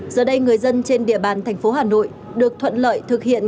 giờ đây người dân trên địa bàn thành phố hà nội được thuận lợi thực hiện